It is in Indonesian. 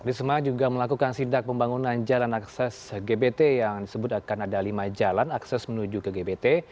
risma juga melakukan sidak pembangunan jalan akses gbt yang disebut akan ada lima jalan akses menuju ke gbt